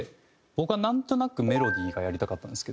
僕はなんとなく『メロディー』がやりたかったんですけど。